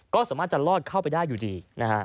ก็สามารถจะลอดเข้าไปได้อยู่ดีนะฮะ